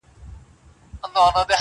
موږ پخپله یو له حل څخه بېزاره؛